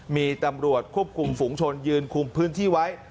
มีตำรวจควบคุมฝุงชนยืนคุมพื้นที่ไว้